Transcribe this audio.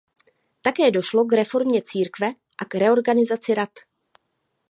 Také došlo k reformě církve a k reorganizaci Rad.